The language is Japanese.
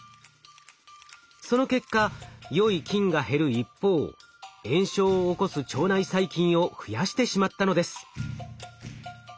その結果よい菌が減る一方炎症を起こす腸内細菌を増やしてしまったのです。